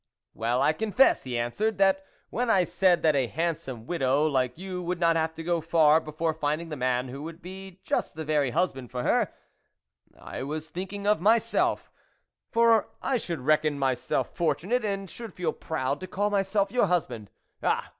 " Well, I confess," he answered, " that when I said that a handsome widow like you would not have to go far before find ing the man who would be just the very husband for her, I was thinking of myself, for I should reckon myself fortunate, and should feel proud, to call myself your hus band. Ah